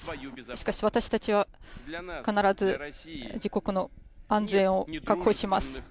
しかし私たちは必ず自国の安全を確保します。